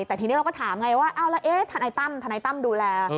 แต่ทีนี้เราก็ถามไงว่าแล้วทนายตั้มทนายตั้มดูแล